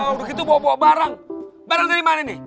udah gitu bawa bawa barang barang dari mana ini